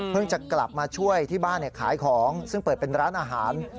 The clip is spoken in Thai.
จะกลับมาช่วยที่บ้านขายของซึ่งเปิดเป็นร้านอาหาร